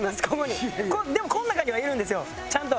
「でもこの中にはいるんですよちゃんと」